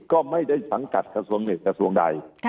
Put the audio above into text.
ก็ไม่ได้สังกัดกระทรวงหนึ่งกระทรวงใด